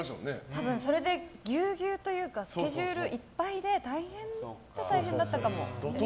多分、それでぎゅうぎゅうというかスケジュールいっぱいで大変っちゃ大変だったかも。